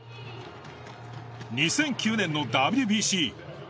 ２００９年のＷＢＣ。